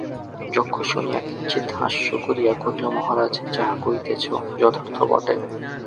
যক্ষ শুনিয়া কিঞ্চিৎ হাস্য করিয়া কহিল মহারাজ যাহা কহিতেছ যথার্থ বটে।